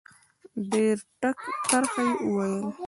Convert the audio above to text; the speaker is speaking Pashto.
ډېر ټک ترخه یې وویل.